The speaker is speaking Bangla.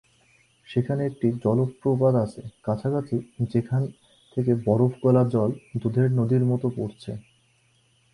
সেখানে একটি জলপ্রপাত আছে কাছাকাছি যেখান থেকে বরফ গলা জল, দুধের নদীর মত পড়ছে।